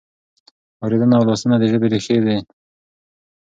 اورېدنه او لوستنه د ژبې ریښې دي.